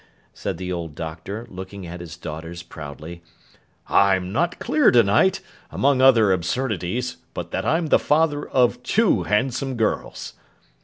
said the old Doctor, looking at his daughters proudly, 'I'm not clear to night, among other absurdities, but that I'm the father of two handsome girls.